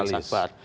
pak patra sakhbar